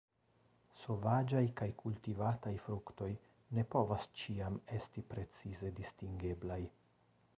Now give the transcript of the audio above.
Sovaĝaj kaj kultivataj fruktoj ne povas ĉiam esti precize distingeblaj.